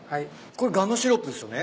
これガムシロップですよね？